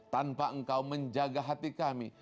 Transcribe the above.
tanpa engkau menjaga hati kami